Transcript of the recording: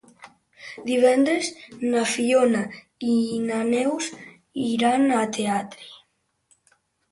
Divendres na Fiona i na Neus iran al teatre.